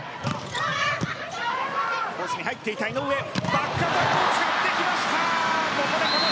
バックアタックを使ってきました。